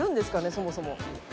そもそも。